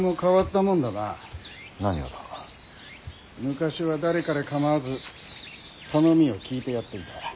昔は誰彼構わず頼みを聞いてやっていた。